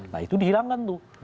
nah itu dihilangkan tuh